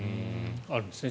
あるんですね。